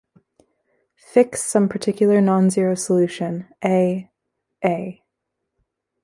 Fix some particular nonzero solution "a", ..., "a".